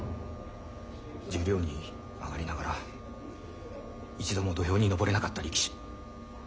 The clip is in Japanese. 十両に上がりながら一度も土俵にのぼれなかった力士。